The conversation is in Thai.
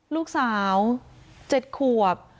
ลูกสาว๗ขวบ